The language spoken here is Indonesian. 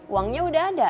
uangnya udah ada